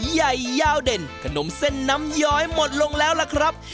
ใหญ่ยาวเด่นขนมเส้นน้ำย้อยหมดลงแล้วล่ะครับ